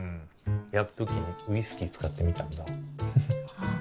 焼く時にウイスキー使ってみたんだあっ